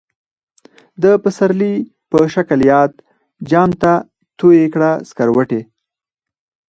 د پسرلی په شکلی یاد، جام ته تویی کړه سکروټی